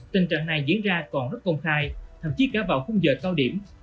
tình trạng này diễn ra còn rất công khai thậm chí cả vào khung giờ cao điểm